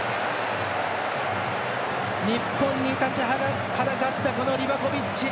日本に立ちはだかったこのリバコビッチ。